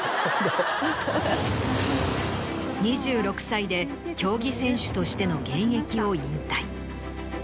２６歳で競技選手としての現役を引退。